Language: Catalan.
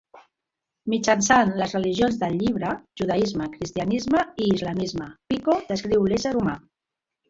Mitjançant les «religions del Llibre», judaisme, cristianisme i islamisme, Pico descriu l'ésser humà.